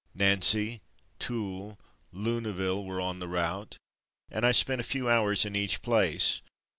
Nancy, Toul, Lune ville were on the route, and I spent a few hours in each place.